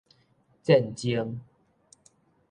戰爭